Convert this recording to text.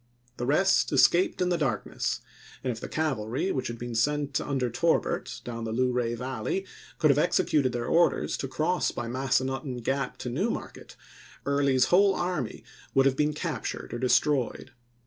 The rest escaped in the darkness ; and if the cavalry which had been sent under Torbert, down the Luray Valley, could have executed their orders to cross by Massanutten Gap to New Market, Early's whole army would have been captured or destroyed.